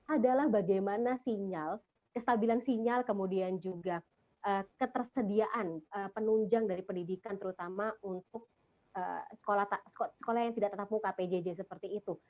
adalah bagaimana sinyal kestabilan sinyal kemudian juga ketersediaan penunjang dari pendidikan terutama untuk sekolah yang tidak tetap muka pjj seperti itu